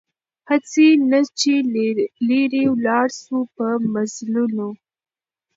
هسي نه چي لیري ولاړ سو په مزلونو